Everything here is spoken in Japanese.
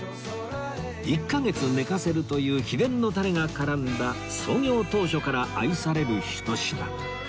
１カ月寝かせるという秘伝のタレが絡んだ創業当初から愛されるひと品